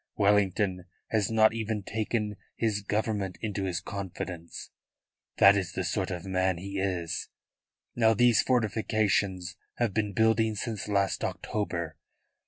Wellington has not even taken his Government into his confidence. That is the sort of man he is. Now these fortifications have been building since last October.